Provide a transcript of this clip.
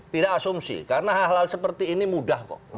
tidak asumsi karena hal hal seperti ini mudah kok